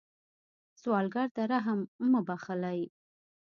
سوالګر ته رحم مه بخلئ